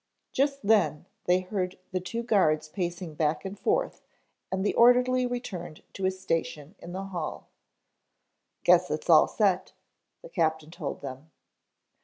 Just then they heard the two guards pacing back and forth and the orderly returned to his station in the hall. "Guess it's all set," the captain told them.